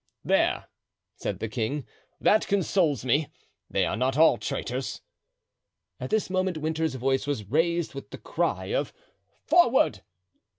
"There," said the king, "that consoles me; they are not all traitors." At this moment Winter's voice was raised with the cry of "Forward!"